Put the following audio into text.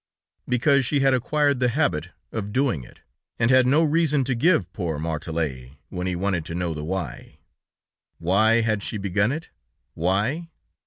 Because she had acquired the habit of doing it, and had no reason to give poor Martelet when he wanted to know the why! Why had she begun it? Why?